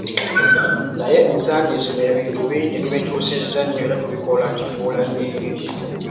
Naye ensangi zino ebintu bingi tubikyusizza nnyo era tubikola kifuulannenge.